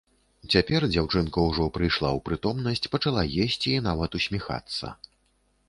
Цяпер дзяўчынка ўжо прыйшла ў прытомнасць, пачала есці і нават усміхацца.